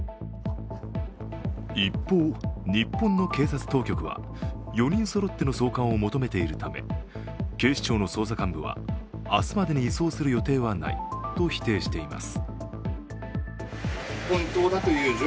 一方、日本の警察当局は４人そろっての送還を求めているため警視庁の捜査幹部は明日までに移送する予定はないと否定しています。